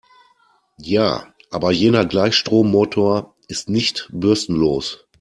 Ja, aber jener Gleichstrommotor ist nicht bürstenlos.